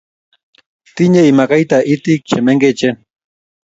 Tinyei makaita itik che mengecheen